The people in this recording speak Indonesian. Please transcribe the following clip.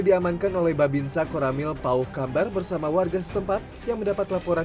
diamankan oleh babinsa koramil pauh kambar bersama warga setempat yang mendapat laporan